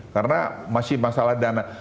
karena masih masalah dana